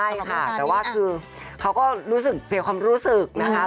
ใช่ค่ะแต่ว่าคือเขาก็เสียความรู้สึกนะครับ